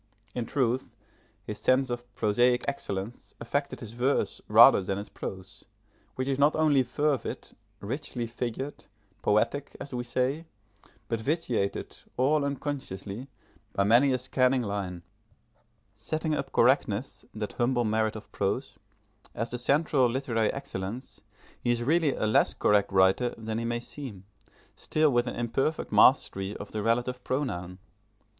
In truth, his sense of prosaic excellence affected his verse rather than his prose, which is not only fervid, richly figured, poetic, as we say, but vitiated, all unconsciously, by many a scanning line. Setting up correctness, that humble merit of prose, as the central literary excellence, he is really a less correct writer than he may seem, still with an imperfect mastery of the relative pronoun.